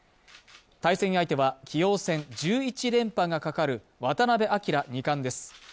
対戦相手は棋王戦１１連覇がかかる渡辺明二冠です。